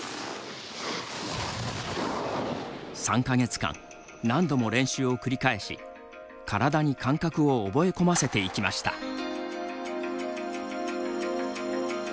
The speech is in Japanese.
３か月間何度も失敗を繰り返し感覚を体に覚え込ませていきました。